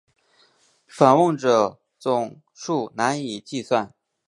访问者总数难以计算。